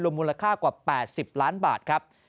มูลค่ากว่า๘๐ล้านบาทครับ